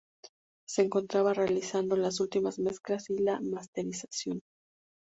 Se encontraba realizando las últimas mezclas y la masterización.